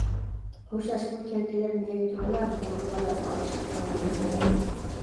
خوشلاشقىلى كەلگەنلەر نېرى تۇرۇڭلار، ماڭىدىغانلارغا ئارىلىشىپ تۇرۇۋالماڭلار!